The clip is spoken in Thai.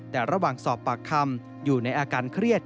แต่ระหว่างสอบปากคำอยู่ในอาการเครียด